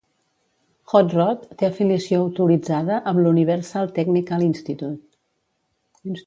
"Hot Rod" té afiliació autoritzada amb l'Universal Technical Institute.